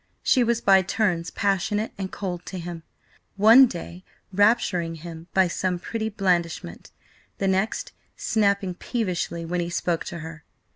She was by turns passionate and cold to him: one day enrapturing him by some pretty blandishment, the next snapping peevishly when he spoke to her.